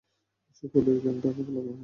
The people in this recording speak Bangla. সে বলল, এর জ্ঞান তো কেবল আল্লাহর নিকট আছে।